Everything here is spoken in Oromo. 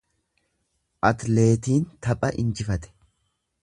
Atleetiin tapha injifate.